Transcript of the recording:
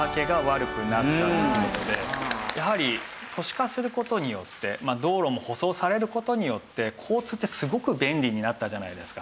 やはり都市化する事によって道路も舗装される事によって交通ってすごく便利になったじゃないですか。